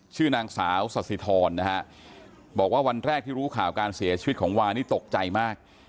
ชื่อนางสาวสัสสิทรนะฮะบอกว่าวันแรกที่รู้ข่าวการเสียชีวิตของวานี่ตกใจมาก